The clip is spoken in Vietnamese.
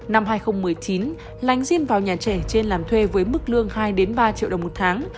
năm hai nghìn một mươi chín lánh zim vào nhà trẻ trên làm thuê với mức lương hai ba triệu đồng một tháng